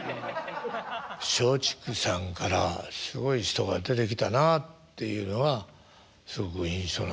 松竹さんからすごい人が出てきたなっていうのはすごく印象なんですけども。